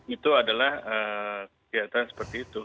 itu adalah kegiatan seperti itu